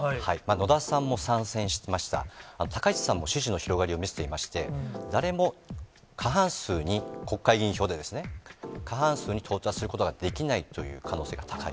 野田さんも参戦してました、高市さんも支持の広がりを見せていまして、誰も過半数に国会議員票で、過半数に到達することができないという可能性が高い。